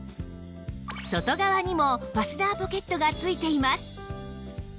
外側にもファスナーポケットが付いています